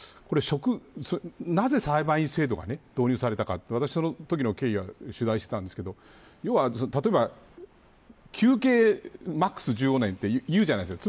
なぜ裁判員制度が導入されたかそのときの経緯を取材したんですけれど要は求刑マックス１５年というじゃないですか。